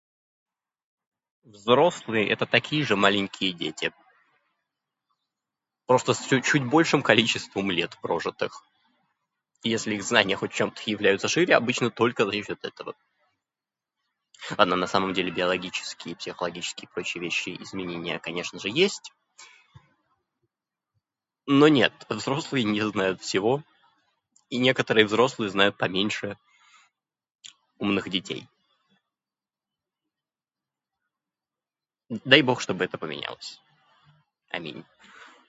Взрослые - это такие-же маленькие дети. Просто с чу- чуть большим количеством лет прожитых. И если их знания хоть в чём-то и являются шире, обычно только за счёт этого. Ладно, на самом деле биологические, психологические и прочие вещи, изменения конечно же есть, но нет, взрослые не знают всего, и некоторые взрослые знают поменьше умных детей. Д- дай бог что-бы это поменялось